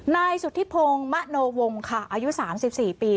นายสุธิพงศ์มะโนวงค่ะอายุ๓๔ปี